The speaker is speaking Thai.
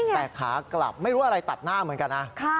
แต่ขากลับไม่รู้อะไรตัดหน้าเหมือนกันนะ